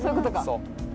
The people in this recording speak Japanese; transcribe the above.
そう。